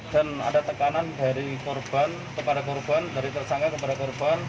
dan ada tekanan dari korban kepada korban dari tersangka kepada korban